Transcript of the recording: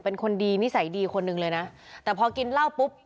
เป็นคนดีนิสัยดีคนหนึ่งเลยนะแต่พอกินเหล้าปุ๊บ